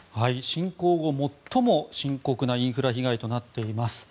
侵攻後最も深刻なインフラ被害となっています。